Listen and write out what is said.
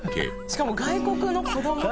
しかも外国の子ども。